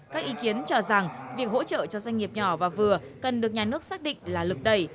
các ý kiến cho rằng việc hỗ trợ cho doanh nghiệp nhỏ và vừa cần được nhà nước xác định là lực đẩy